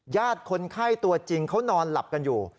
คนไข้ตัวจริงเขานอนหลับกันอยู่